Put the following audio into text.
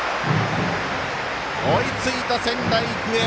追いついた仙台育英。